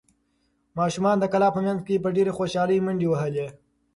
ماشومانو د کلا په منځ کې په ډېرې خوشحالۍ منډې وهلې.